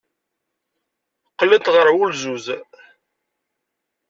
Qqlent ɣer wulzuz.